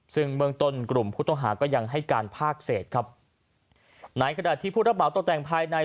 ซึ่งเบื้องต้นกลุ่มผู้ต้องหาก็ยังให้การภาคเศษครับในขณะที่ผู้รับเหมาตกแต่งภายใน